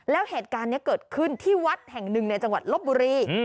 แล้วเหตุการณ์นี้เกิดขึ้นที่วัดแห่งหนึ่งในจังหวัดลบบุรี